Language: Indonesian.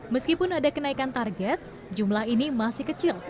meskipun ada kenaikan target jumlah ini masih kecil